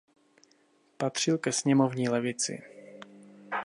Patřil ke sněmovní levici.